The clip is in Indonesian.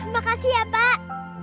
makasih ya pak